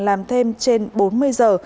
làm thêm trên bốn mươi giờ